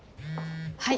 はい。